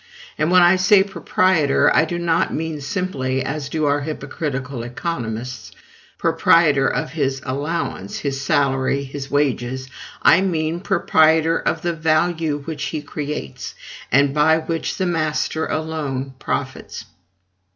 And when I say proprietor, I do not mean simply (as do our hypocritical economists) proprietor of his allowance, his salary, his wages, I mean proprietor of the value which he creates, and by which the master alone profits.